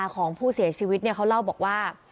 ของผู้เสียชีวิตเขาเล่าบอกว่า